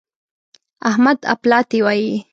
احمد اپلاتي وايي.